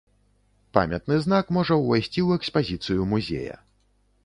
Памятны знак можа ўвайсці ў экспазіцыю музея.